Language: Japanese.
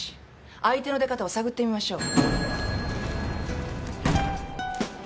相手の出方を探ってみましょう。